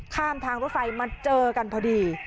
ข้ามทางรถไฟมาเจอกันพอดี